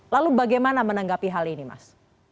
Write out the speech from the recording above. lalu bagaimana menanggapi hal ini mas